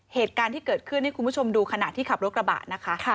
เหตุการณ์ที่เกิดขึ้นให้คุณผู้ชมดูขณะที่ขับรถกระบะนะคะ